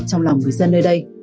trong lòng người dân nơi đây